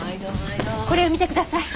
これを見てください。